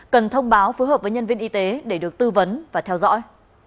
cần thông báo phối hợp với nhân viên y tế để được tư vấn và theo dõi